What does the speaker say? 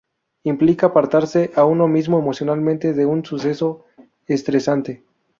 Implica apartarse a uno mismo, emocionalmente, de un suceso estresante.